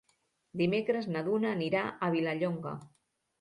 Dimecres na Duna anirà a Vilallonga.